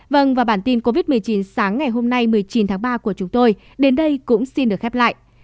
vâng và bản tin covid một mươi chín sáng ngày hôm nay một mươi chín tháng ba của chúng tôi đến đây cũng xin được khép lại